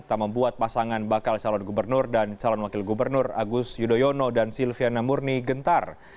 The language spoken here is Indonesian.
tak membuat pasangan bakal calon gubernur dan calon wakil gubernur agus yudhoyono dan silviana murni gentar